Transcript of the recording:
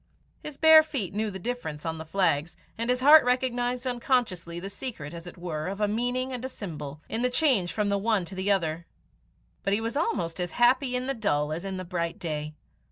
His bare feet knew the difference on the flags, and his heart recognized unconsciously the secret as it were of a meaning and a symbol, in the change from the one to the other, but he was almost as happy in the dull as in the bright day.